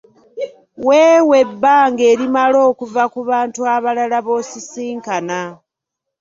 Weewe ebbanga erimala okuva ku bantu abalala b’osisinkana.